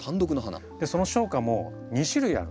その小花も２種類ある。